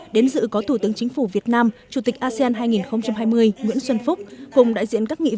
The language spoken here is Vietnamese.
đến dự có thủ tướng chính phủ việt nam chủ tịch asean hai nghìn hai mươi nguyễn xuân phúc